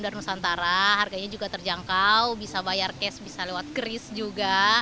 harganya besar harganya juga terjangkau bisa bayar cash bisa lewat kris juga